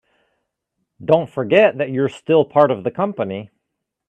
Don't forget that you're still part of the company.